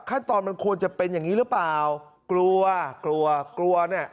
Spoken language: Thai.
ขั้นตอนมันควรจะเป็นอย่างนี้หรือเปล่ากลัวกลัวกลัวเนี่ย